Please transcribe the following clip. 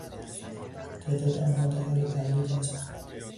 تعداد آنها در حال تقلیل است.